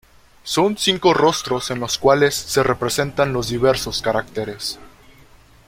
Son cinco rostros en los cuales se representan los diversos caracteres.